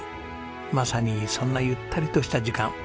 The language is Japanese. まさにそんなゆったりとした時間。